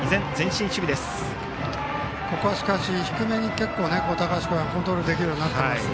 ここは低めに、高橋君はコントロールできるようになってきています。